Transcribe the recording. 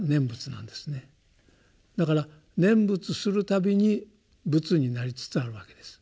だから念仏するたびに仏になりつつあるわけです。